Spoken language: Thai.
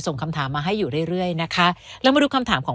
ส่งคำถามมาให้อยู่เรื่อยเรื่อยนะคะแล้วมาดูคำถามของ